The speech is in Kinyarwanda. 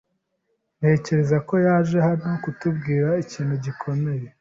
Ntekereza ko yaje hano kutubwira ikintu gikomeye.